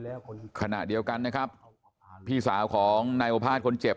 เสียงโครงค้างเดี๋ยวกันนะครับพี่สาวของนายโอภาษคนเจ็บ